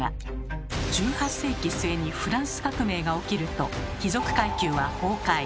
１８世紀末にフランス革命が起きると貴族階級は崩壊。